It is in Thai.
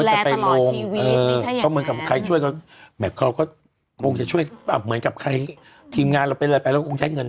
อย่างก็เป็นที่ช่วยกับเหมือนกับไครทีมงานเราเป็นอะไรไปแล้วก็คงใช้เงิน